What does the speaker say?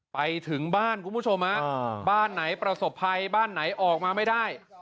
ไปถึงบ้านคุณผู้ชมฮะบ้านไหนประสบภัยบ้านไหนออกมาไม่ได้